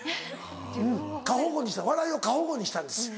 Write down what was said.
うん過保護にした笑いを過保護にしたんです。